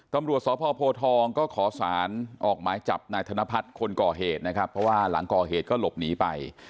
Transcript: ตำรวจสพโพทองก็ขอสารออกหมายจับนายธนพัฒน์คนก่อเหตุนะครับเพราะว่าหลังก่อเหตุก็หลบหนีไป